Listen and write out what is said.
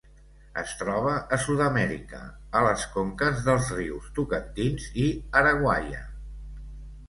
Es troba a Sud-amèrica, a les conques dels rius Tocantins i Araguaia.